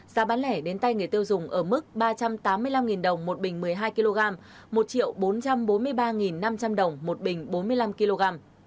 giá bán lẻ đến tay người tiêu dùng ở mức ba trăm tám mươi năm đồng một bình một mươi hai kg một bốn trăm bốn mươi ba năm trăm linh đồng một bình bốn mươi năm kg